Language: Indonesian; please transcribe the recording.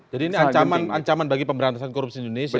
jadi ini ancaman ancaman bagi pemberantasan korupsi di indonesia ya